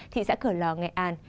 thị xã cửa lò nghệ an